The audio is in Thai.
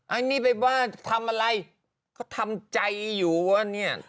อันนี้บ้าทรัพย์ทำอะไรก็ทำใจอยู่อ่ะเนี้ย